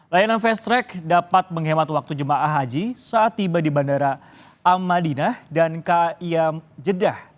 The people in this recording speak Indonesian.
layanan fast track dapat menghemat waktu jemaah haji saat tiba di bandara amadinah dan kayam jeddah